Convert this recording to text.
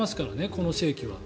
この世紀は。